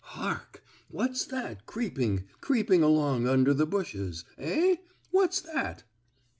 Hark! What's that creeping, creeping along under the bushes? Eh? What's that?